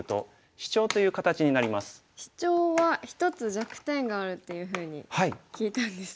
シチョウは一つ弱点があるっていうふうに聞いたんですが。